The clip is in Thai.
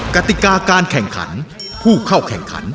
กติกาการแข่งขันผู้เข้าแข่งขัน